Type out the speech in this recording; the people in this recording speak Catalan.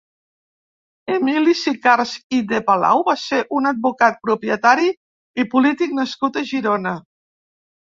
Emili Sicars i de Palau va ser un advocat, propietari i polític nascut a Girona.